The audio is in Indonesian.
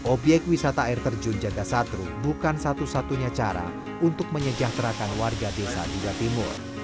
objek wisata air terjun janda satru bukan satu satunya cara untuk menyejahterakan warga desa di jawa timur